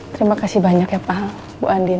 terima kasih banyak ya pak bu andin